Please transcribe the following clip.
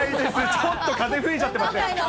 ちょっと風吹いちゃってますね。